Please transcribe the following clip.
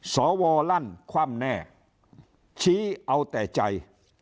สวลั่นคว่ำแน่ชี้เอาแต่ใจ